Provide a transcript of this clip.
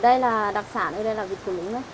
ở đây là đặc sản ở đây là vịt cổ lũng